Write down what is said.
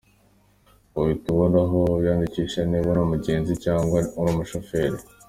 Uhita ubona aho wiyandikisha niba uri umugenzi cyangwa uri umushoferi.